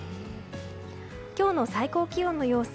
今日の最高気温の様子。